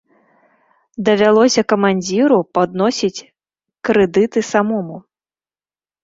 Давялося камандзіру падносіць крэдыты самому.